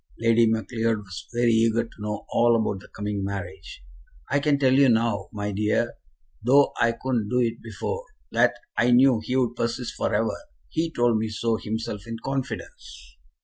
Lady Macleod was very eager to know all about the coming marriage. "I can tell you now, my dear, though I couldn't do it before, that I knew he'd persist for ever. He told me so himself in confidence."